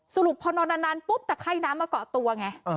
สรุปพอนอนนานปุ๊บตะไข้น้ำมาเกาะตัวไง